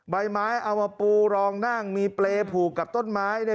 ใบไม้เอามาปูรองนั่งมีเปลผูกกับต้นไม้